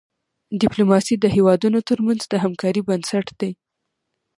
ډيپلوماسي د هیوادونو ترمنځ د همکاری بنسټ دی.